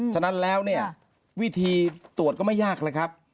ฉะนั้นแล้วเนี่ยวิธีตรวจก็ไม่ยากเลยครับ